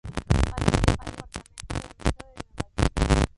Falleció en su apartamento de Nueva York.